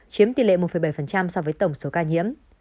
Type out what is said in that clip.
chiếm tỷ lệ một bảy so với tổng số ca tử phong